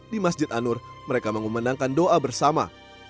di masjid anur mereka mengumenangkan doa bersama